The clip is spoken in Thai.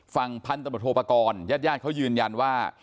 ฟังทัพโภคกรญาติย่านเขายืนยันว่า